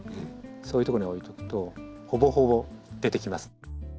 そういう所に置いておくとほぼほぼ出てきます。